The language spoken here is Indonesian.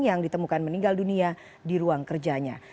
yang ditemukan meninggal dunia di ruang kerjanya